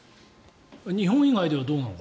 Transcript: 日本以外ではどうなの？